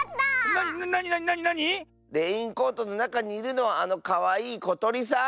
なになになに⁉レインコートのなかにいるのはあのかわいいことりさん！